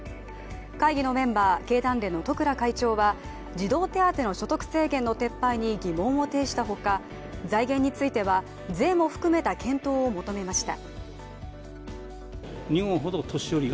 会議のメンバー、経団連の十倉会長は児童手当の所得制限の撤廃に疑問を呈したほか財源については、税も含めた検討を求めました。